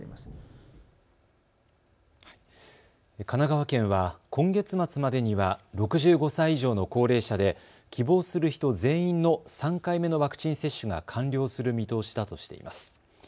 神奈川県は今月末までには６５歳以上の高齢者で希望する人全員の３回目のワクチン接種が完了する見通しだとしています。